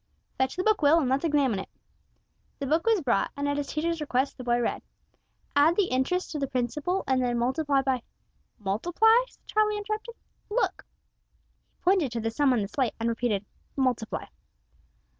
"Fetch the book, Will, and let's examine it." The book was brought, and at his teacher's request the boy read: "Add the interest to the principal, and then multiply by " "Multiply?" said Charlie, interrupting. "Look!" He pointed to the sum on the slate, and repeated "multiply."